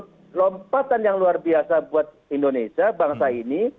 ini adalah lompatan yang luar biasa buat indonesia bangsa ini